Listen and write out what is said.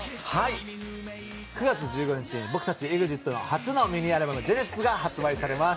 ９月１５日に僕たちＥＸＩＴの初のミニアルバム「ＧＥＮＥＳＩＳ」が発売されます。